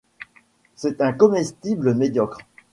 C'est un comestible médiocre.